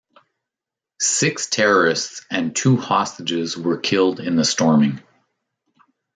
Six terrorists and two hostages were killed in the storming.